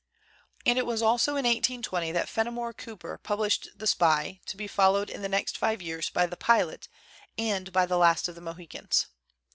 And it was also in 1820 that Fenimore Cooper published the 'Spy/ to be fol lowed in the next five years by the ' Pilot' and by the 'Last of the Mohicans.'